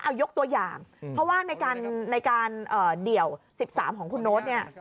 เอายกตัวอย่างเพราะว่าในการในการเอ่อเดี่ยวสิบสามของคุณโน๊ตเนี้ย